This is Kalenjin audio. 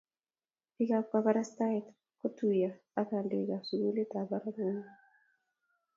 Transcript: Pik ab kabarastet ko kotuyo ak kandoik ab sikulit ab barak inoton